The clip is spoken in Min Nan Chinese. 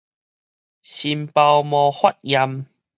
心胞膜發炎